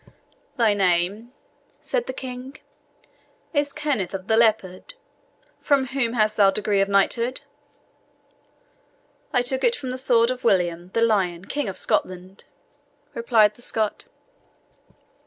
"Thy name," said the King, "is Kenneth of the Leopard from whom hadst thou degree of knighthood?" "I took it from the sword of William the Lion, King of Scotland," replied the Scot.